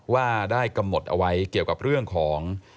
ว่าได้กำหนดเอาไว้เกี่ยวกับเรื่องของ